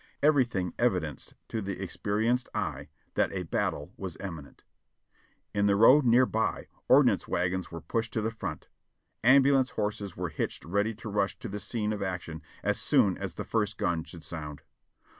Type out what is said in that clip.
Everything evidenced to the experienced eye that a battle was imminent. In the road near by, ordnance wagons were pushed to the front. Ambulance horses were hitched ready to rush to the scene of action as soon as the first gun should sound.